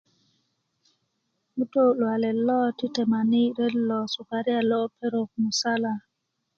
ŋutu luwalet lo ti temani ret lo sukaria lo perok musala